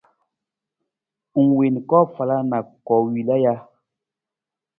Ng wiin koofala na koowila ja?